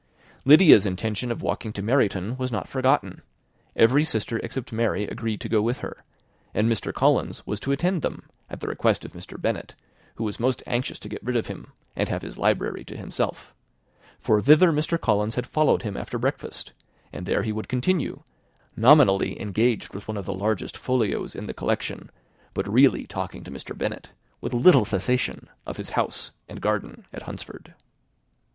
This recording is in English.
Lydia's intention of walking to Meryton was not forgotten: every sister except Mary agreed to go with her; and Mr. Collins was to attend them, at the request of Mr. Bennet, who was most anxious to get rid of him, and have his library to himself; for thither Mr. Collins had followed him after breakfast, and there he would continue, nominally engaged with one of the largest folios in the collection, but really talking to Mr. Bennet, with little cessation, of his house and garden at Hunsford.